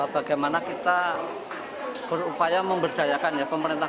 bagaimana kita berupaya memberdayakan ya pemerintah